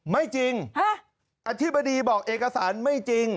ไม่จริงอธิบดีบอกเอกสารไม่จริง